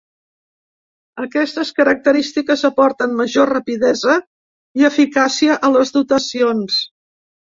Aquestes característiques aporten major rapidesa i eficàcia a les dotacions.